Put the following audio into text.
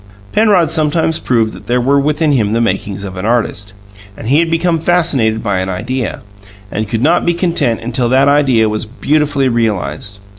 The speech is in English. Penrod sometimes proved that there were within him the makings of an artist; he had become fascinated by an idea, and could not be content until that idea was beautifully realized.